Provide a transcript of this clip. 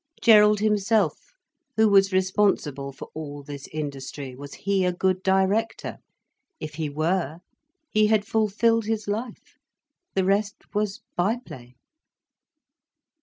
Gerald himself, who was responsible for all this industry, was he a good director? If he were, he had fulfilled his life. The rest was by play.